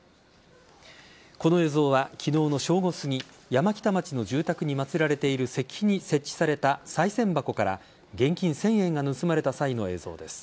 この映像は、昨日の正午すぎ山北町の住宅に祭られている石碑に設置されたさい銭箱から現金１０００円が盗まれた際の映像です。